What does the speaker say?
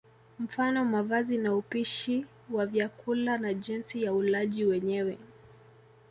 Mfano mavazi na upishi wa vyakula na jinsi ya ulaji wenyewe